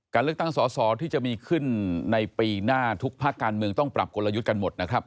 เลือกตั้งสอสอที่จะมีขึ้นในปีหน้าทุกภาคการเมืองต้องปรับกลยุทธ์กันหมดนะครับ